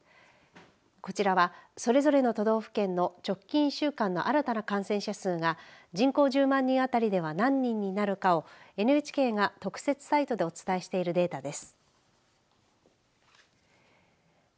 こちらは、それぞれの都道府県の直近１週間の新たな感染者数が人口１０万人当たりでは何人になるかをＮＨＫが特設サイトでお伝えしているデータです。